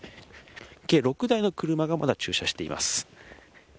計６台の車がまだ駐車しています。